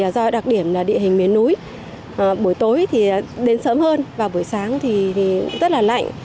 do đặc điểm địa hình miền núi buổi tối thì đến sớm hơn vào buổi sáng thì rất là lạnh